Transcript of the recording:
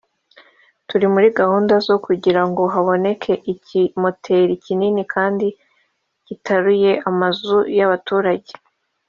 turi muri gahunda zo kugira ngo haboneke ikimoteri kinini kandi cyitaruye amazu y’abaturage